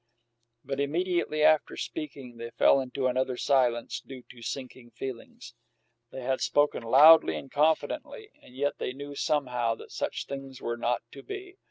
But immediately after so speaking they fell into another silence, due to sinking feelings. They had spoken loudly and confidently, and yet they knew, somehow, that such things were not to be.